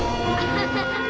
ハハハッ！